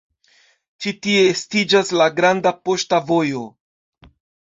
Ĉi tie estiĝas la Granda Poŝta Vojo.